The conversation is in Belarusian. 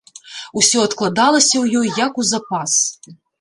Усё адкладалася ў ёй як у запас.